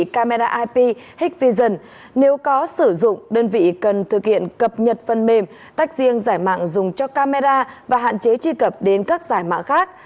các cơ quan đơn vị cần thực hiện cập nhật phân mềm tách riêng giải mạng dùng cho camera và hạn chế truy cập đến các giải mạng khác